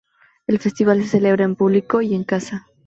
El festival se celebra en público y en casa.